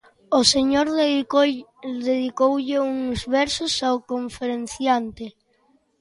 O señor dedicoulle uns versos ao conferenciante.